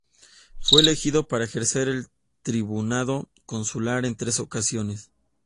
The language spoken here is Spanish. Fue elegido para ejercer el tribunado consular en tres ocasiones.